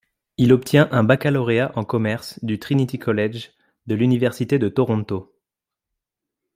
Il obtient un baccalauréat en commerce du Trinity College de l'Université de Toronto.